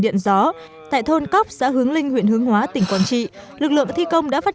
điện gió tại thôn cóc xã hướng linh huyện hướng hóa tỉnh quảng trị lực lượng thi công đã phát